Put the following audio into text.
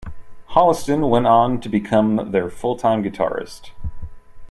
Holliston went on to become their full-time guitarist.